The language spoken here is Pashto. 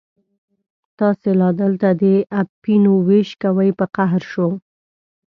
تاسې لا دلته د اپینو وېش کوئ، په قهر شو.